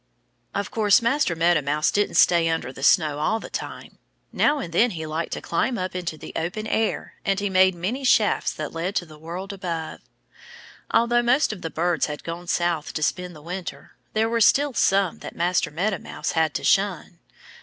Of course Master Meadow Mouse didn't stay under the snow all the time. Now and then he liked to climb up into the open air. And he made many shafts that led to the world above. Although most of the birds had gone South to spend the winter, there were still some that Master Meadow Mouse had to shun.